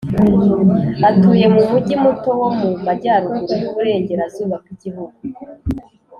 Atuye mu mugi muto wo mu majyaruguru y’uburengerazuba bw’igihugu